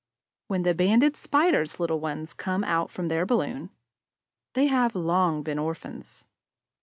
When the Banded Spider's little ones come out from their balloon, they have long been orphans.